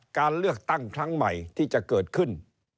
การเลือกตั้งครั้งใหม่ที่จะเกิดขึ้น